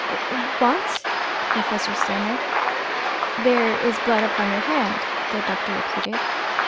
"What?" the Professor stammered. "There is blood upon your hand," the doctor repeated.